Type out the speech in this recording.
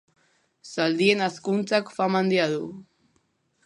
Zaldien hazkuntzak fama handia du.